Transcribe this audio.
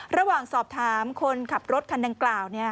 ระหว่างสอบถามคนขับรถคันดังกล่าว